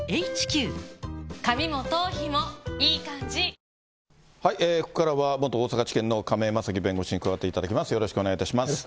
このあと、ここからは元大阪地検の亀井正貴弁護士に加わっていただきまよろしくお願いします。